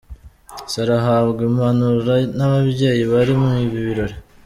Sarah ahabwa impanuro n'ababyeyi bari muri ibi birori.